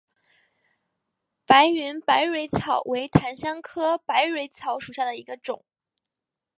白云百蕊草为檀香科百蕊草属下的一个种。